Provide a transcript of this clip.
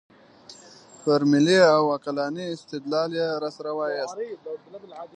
پر ملي او عقلاني استدلال یې راسره وایاست.